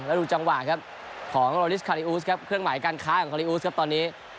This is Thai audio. แล้วดูจังหวะครับของโรลิสคาริอูสครับเครื่องหมายการค้าของคาริอูสครับตอนนี้